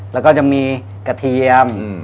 แล้วก็จะมีกระเทียม